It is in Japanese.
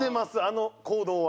あの行動は。